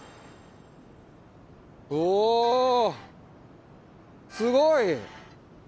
おおすごい！